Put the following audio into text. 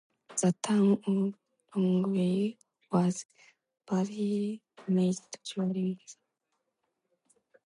The town of Longwy was badly damaged during the siege.